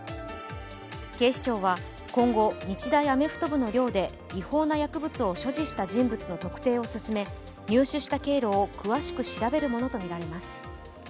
警視庁は今後、日大アメフト部の寮で違法な薬物を所持した人物の特定を進め入手した経路を詳しく調べるものとみられます。